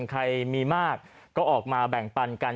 ใครมีมากก็ออกมาแบ่งปันกัน